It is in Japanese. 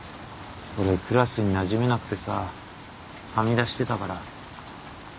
俺クラスになじめなくてさはみ出してたから。